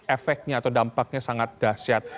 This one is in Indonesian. efeknya atau dampaknya sangat dahsyat